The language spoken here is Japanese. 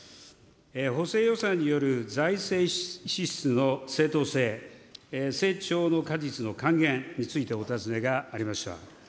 補正予算による財政支出の正当性、成長の果実の還元についてお尋ねがありました。